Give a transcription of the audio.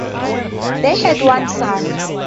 They had one son.